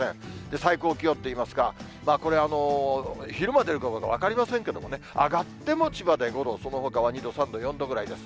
最高気温といいますか、これ、昼間出るかどうか分かりませんけどね、上がっても千葉で５度、そのほかは２度、３度、４度ぐらいです。